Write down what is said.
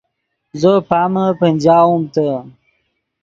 زو پامے پنجاؤم تے